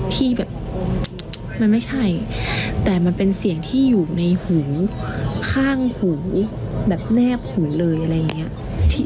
ที่แบบมันไม่ใช่แต่มันเป็นเสียงที่อยู่ในหูข้างหูแบบแนบหูเลยอะไรอย่างนี้